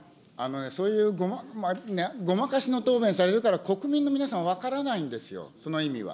そういうごまかしの答弁されるから、国民の皆さん、分からないんですよ、その意味は。